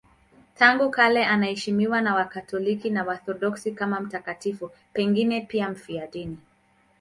Tangu kale anaheshimiwa na Wakatoliki na Waorthodoksi kama mtakatifu, pengine pia mfiadini.